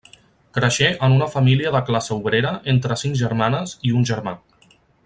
Creixé en una família de classe obrera entre cinc germanes i un germà.